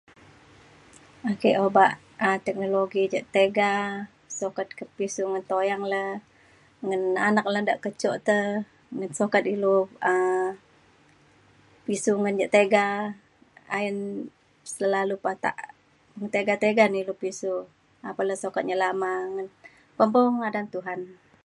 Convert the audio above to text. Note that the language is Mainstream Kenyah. ake obak um teknologi ja tiga sukat kepisiu ngan tuyang le ngan anak le de kecuk te ngan sukat ilu um pisiu ngan ia’ tiga ayen selalu patak ngan tiga tiga na ilu pisiu apan le sukat nyelama gan pempau ngadan Tuhan.